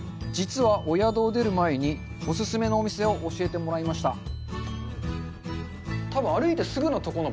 実は、お宿を出る前にお勧めのお店を教えてもらいました。